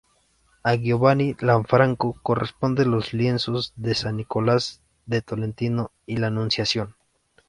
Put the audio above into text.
A Giovanni Lanfranco corresponden los lienzos de "San Nicolás de Tolentino" y la "Anunciación".